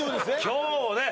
今日ね